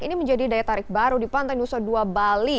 ini menjadi daya tarik baru di pantai nusa dua bali